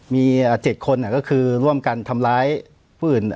มีเอ่อเจ็ดคนเนี้ยก็คือร่วมกันทำล้ายผู้อื่น